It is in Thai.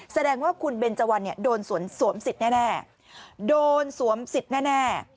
แสดงว่าคุณเบนเจวันเนี่ยโดนสวมสิทธิ์แน่โดนสวมสิทธิ์แน่